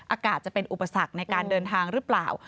อากาศจะเป็นอุปสรรคในการเดินทางหรือเปล่า